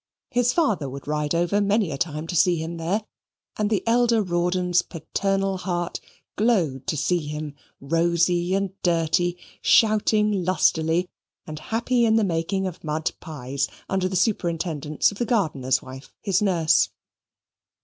His father would ride over many a time to see him here, and the elder Rawdon's paternal heart glowed to see him rosy and dirty, shouting lustily, and happy in the making of mud pies under the superintendence of the gardener's wife, his nurse.